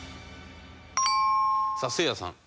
さあせいやさん。